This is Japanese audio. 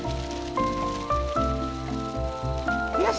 よし！